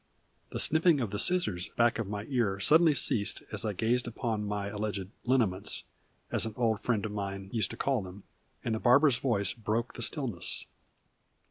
The snipping of the scissors back of my ear suddenly ceased as I gazed upon my alleged "liniments" as an old friend of mine used to call them and the barber's voice broke the stillness.